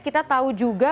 kita tahu juga